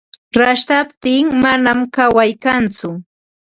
Rashtaptin manam kaway kantsu.